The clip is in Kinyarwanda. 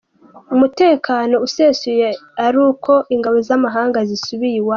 umutekano usesuye ari uko ingabo z’amahanga zisubiye iwazo